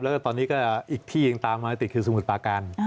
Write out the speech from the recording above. แล้วก็ตอนนี้ก็อีกที่ยังตามมาติดคือสมุทรปาการ